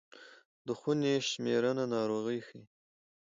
د خونې شمېرنه ناروغي ښيي.